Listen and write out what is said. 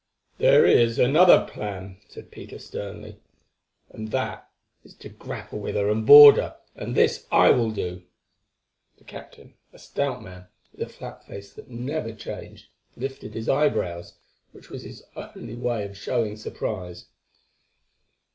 "There is another plan," said Peter sternly, "and that is to grapple with her and board her, and this I will do." The captain, a stout man with a flat face that never changed, lifted his eyebrows, which was his only way of showing surprise.